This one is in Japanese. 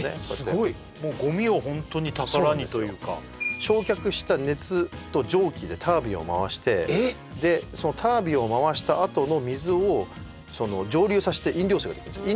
すごいもうごみをホントに宝にというか焼却した熱と蒸気でタービンを回してでそのタービンを回したあとの水を蒸留させて飲料水ができるんです